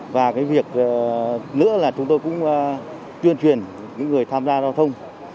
và cái việc nữa là chúng tôi cũng tuyên truyền những người tham gia giao thông